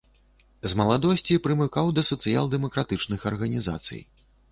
З маладосці прымыкаў да сацыял-дэмакратычных арганізацый.